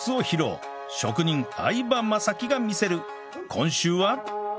今週は？